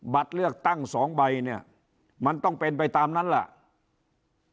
บัตรเลือกตั้งสองใบเนี่ยมันต้องเป็นไปตามนั้นแหละ